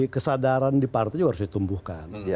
kesadaran di partai juga harus ditumbuhkan